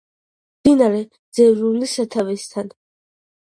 მდინარე ძევრულის სათავესთან.